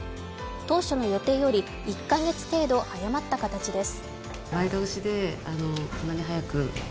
当初の予定より１カ月程度早まった形です。